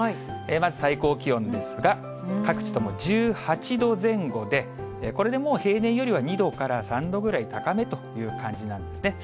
まず最高気温ですが、各地とも１８度前後で、これでもう、平年よりは２度から３度ぐらい高めという感じなんですね。